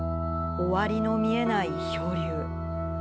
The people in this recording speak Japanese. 終わりの見えない漂流。